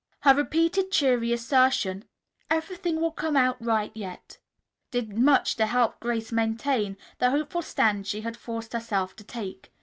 Her repeated cheery assertion, "Everything will come out all right yet," did much to help Grace maintain the hopeful stand she had forced herself to take.